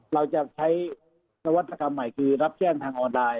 เราจะใช้นวัตกรรมใหม่คือรับแจ้งทางออนไลน